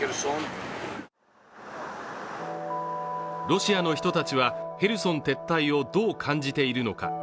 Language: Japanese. ロシアの人たちはヘルソン撤退をどう感じているのか。